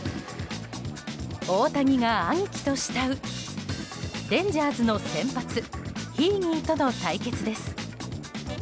大谷が兄貴と慕うレンジャーズの先発ヒーニーとの対決です。